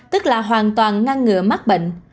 tức là hoàn toàn ngăn ngừa mắc bệnh